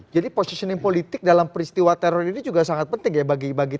jadi positioning politik dalam peristiwa teror ini juga sangat penting ya